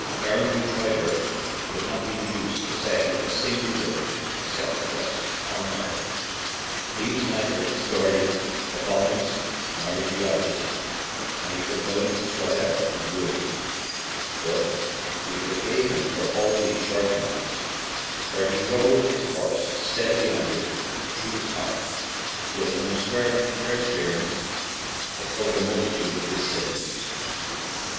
Our new driver could not be induced to say a single word except yes or no; he was neither a his torian, a botanist, nor a geologist, and he took no interest whatever in ruins; but we forgave him for all these shortcomings, for he drove his horse steadily onward through the torrent with an unswerving perseverance that covered a multitude of sins.